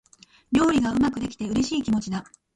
料理がうまくできて、嬉しい気持ちだ。